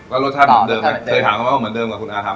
แล้วรสชาติเหมือนเดิมไหมเคยถามเขาว่าเหมือนเดิมกับคุณอาทำ